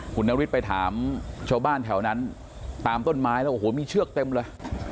คุณนฤทธิ์ไปถามชาวบ้านแถวนั้นตามต้นไม้แล้วโอ้โหมีเชือกเต็มเลย